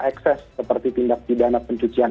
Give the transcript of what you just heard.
ekses seperti tindak pidana pencucian